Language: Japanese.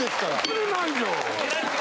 送れないよ。